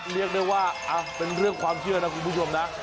เรียกได้ว่าเป็นเรื่องความเชื่อนะคุณผู้ชมนะ